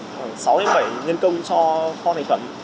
khoảng sáu bảy nhân công cho kho thành phẩm